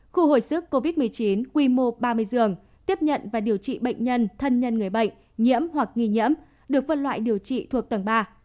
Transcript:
khu hồi sức covid một mươi chín quy mô ba mươi giường tiếp nhận và điều trị bệnh nhân thân nhân người bệnh nhiễm hoặc nghi nhiễm được phân loại điều trị thuộc tầng ba